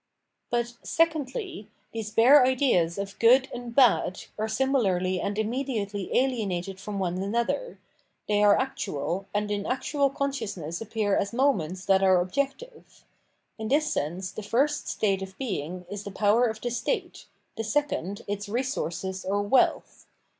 But, secondly y these bare ideas of Good and Bad are similarly and immediately ahenated from one another ; they are actual, and in actual consciousness appear as moments that are objective. In this sense the first state of being is the Power of the State, the second its Resources or Wealth.